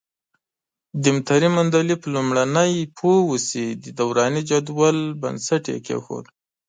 دیمتري مندلیف لومړنی پوه وو چې د دوراني جدول بنسټ یې کېښود.